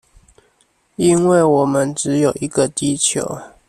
因為我們只有一個地球